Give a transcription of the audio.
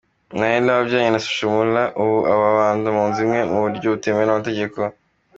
Nailla wabyaranye na Social Mula ubu babana mu nzu imwe muburyo butemewe n’amategeko.